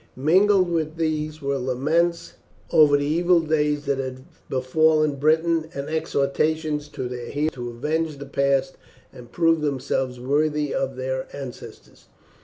Mingled with these were laments over the evil days that had befallen Britain, and exhortations to their hearers to avenge the past and prove themselves worthy of their ancestors.